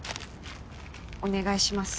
お願いします。